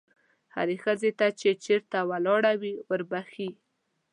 هرې ښځې ته چې چېرته ولاړه وي وربښې.